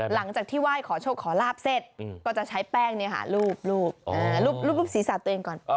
หลังจากที่ไหว้ขอโชคขอลาบเศษก็จะใช้แป้งเนี่ยหารูปรูปรูปศีรษะตัวเองก่อน